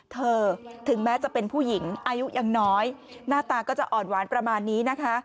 ถึงแม้จะเป็นผู้หญิงอายุยังน้อยหน้าตาก็จะอ่อนหวานประมาณนี้นะคะ